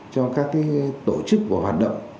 cho các tổ chức và hoạt động